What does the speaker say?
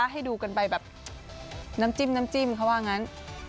ให้ดูกันไปแบบน้ำจิ้มเขาว่างั้น